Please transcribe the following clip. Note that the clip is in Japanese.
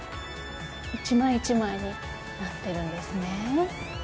一枚一枚になっているんですね。